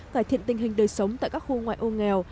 cải thiện tình hình đời sống tại các khu ngoại ô nghèo